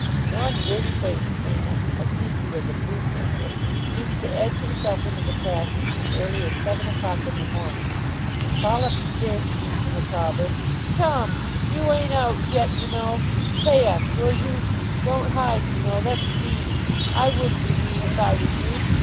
One dirty faced man, I think he was a boot maker, used to edge himself into the passage as early as seven o'clock in the morning, and call up the stairs to Mr. Micawber 'Come! You ain't out yet, you know. Pay us, will you? Don't hide, you know; that's mean. I wouldn't be mean if I was you.